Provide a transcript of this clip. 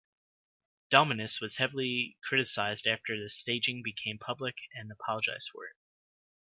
Dominis was heavily criticized after the staging became public and apologized for it.